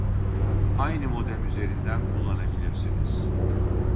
Aynı modem üzerinden kullanabilirsiniz